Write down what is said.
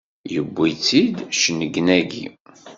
Yewwi-tt-id cennegnagi!